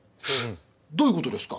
どういうことですか？